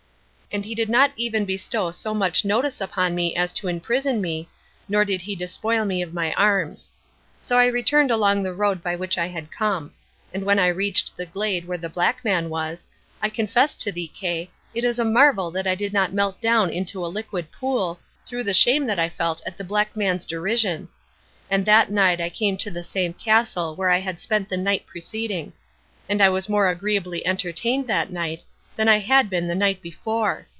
And he did not even bestow so much notice upon me as to imprison me, nor did he despoil me of my arms. So I returned along the road by which I had come. And when I reached the glade where the black man was, I confess to thee, Kay, it is a marvel that I did not melt down into a liquid pool, through the shame that I felt at the black man's derision. And that night I came to the same castle where I had spent the night preceding. And I was more agreeably entertained that night than I had been the night before.